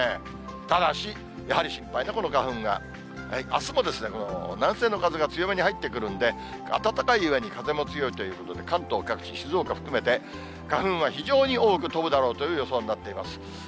ただし、やはり心配なこの花粉があすも南西の風が強めに入ってくるんで、暖かいうえに風も強いということで、関東各地、静岡も含めて、花粉は非常に多く飛ぶだろうという予想になっています。